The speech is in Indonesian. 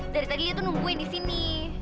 dari tadi dia tuh nungguin di sini